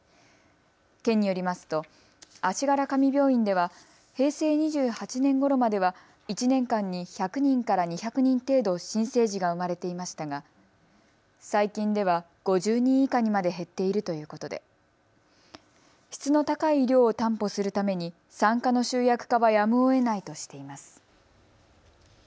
県によりますと足柄上病院では平成２８年ごろまでは１年間に１００人から２００人程度新生児が産まれていましたが最近では５０人以下にまで減っているということで質の高い医療を担保するために産科の集約化はやむをえないとしています。